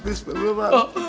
tidak tidak artis